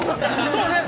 ◆そうよね。